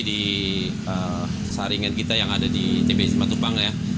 di saringan kita yang ada di tbi jemaat tupang